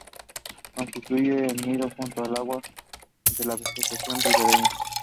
Construyen el nido junto al agua entre la vegetación ribereña.